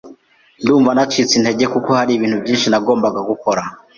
Ndumva nacitse intege kuko hari ibintu byinshi nagombaga gukora.